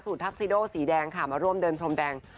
ทักซิโดสีแดงค่ะมาร่วมเดินพรมแดง